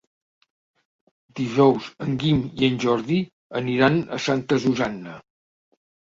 Dijous en Guim i en Jordi aniran a Santa Susanna.